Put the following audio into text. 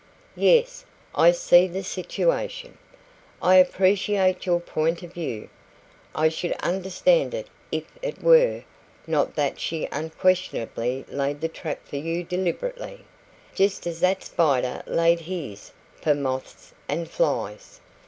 Yes, I see the situation. I appreciate your point of view. I should understand it if it were not that she unquestionably laid the trap for you deliberately just as that spider laid his for moths and flies.